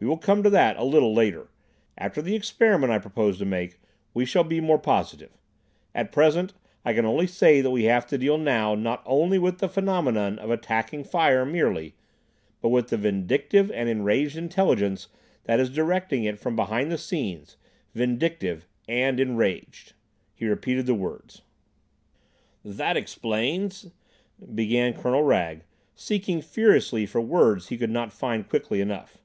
We will come to that a little later; after the experiment I propose to make we shall be more positive. At present I can only say we have to deal now, not only with the phenomenon of Attacking Fire merely, but with the vindictive and enraged intelligence that is directing it from behind the scenes—vindictive and enraged,"—he repeated the words. "That explains—" began Colonel Wragge, seeking furiously for words he could not find quickly enough.